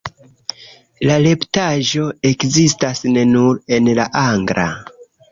La retpaĝo ekzistas ne nur en la angla.